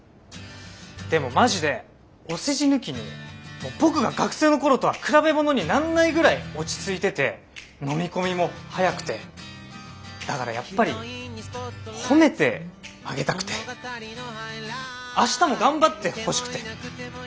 でもマジでお世辞抜きに僕が学生の頃とは比べ物になんないぐらい落ち着いててのみ込みも早くてだからやっぱり褒めてあげたくて明日も頑張ってほしくて。